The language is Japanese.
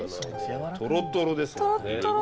トロトロですもんね。